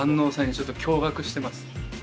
ちょっと驚愕してます